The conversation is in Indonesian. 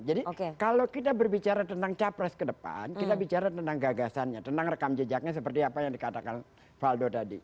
jadi kalau kita berbicara tentang capres kedepan kita bicara tentang gagasannya tentang rekam jejaknya seperti apa yang dikatakan waldo tadi